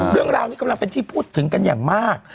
เรื่องราวนี้กำลังเป็นที่พูดถึงกันอย่างมาก